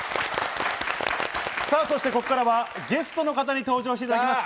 そしてここからはゲストの方に登場していただきます。